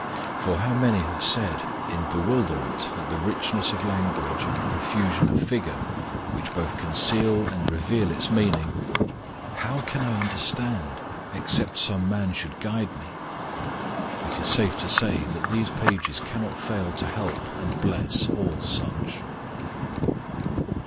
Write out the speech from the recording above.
For how many have said in bewilderment at the richness of language and profusion of figure which both conceal and reveal its meaning, "How can I understand except some man should guide me?" It is safe to say that these pages cannot fail to help and bless all such.